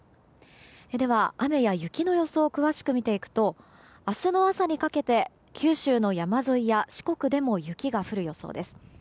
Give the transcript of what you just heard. では、雨や雪の予想を詳しく見ていくと明日の朝にかけて九州の山沿いや四国でも雪が降る予想です。